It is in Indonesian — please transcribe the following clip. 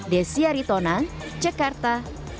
desi aritona jakarta